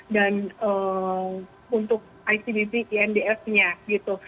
dan untuk icbp inds nya gitu